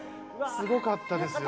すごかったですよ